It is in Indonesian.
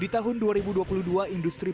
di tahun dua ribu dua puluh dua industri